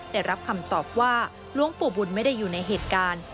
ได้รับคำตอบว่าหลวงปู่บุญไม่ได้อยู่ในเหตุการณ์